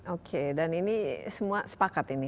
oke dan ini semua sepakat ini